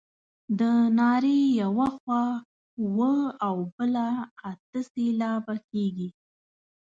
د نارې یوه خوا اووه او بله اته سېلابه کیږي.